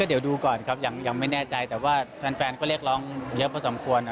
เดี๋ยวดูก่อนครับยังไม่แน่ใจแต่ว่าแฟนก็เรียกร้องเยอะพอสมควร